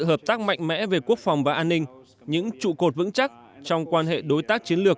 hợp tác mạnh mẽ về quốc phòng và an ninh những trụ cột vững chắc trong quan hệ đối tác chiến lược